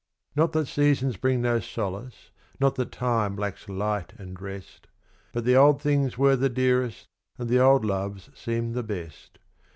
Not that seasons bring no solace, not that time lacks light and rest; But the old things were the dearest and the old loves seem the best.